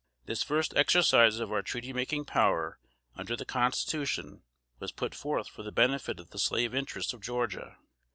This first exercise of our treaty making power under the constitution, was put forth for the benefit of the Slave interests of Georgia.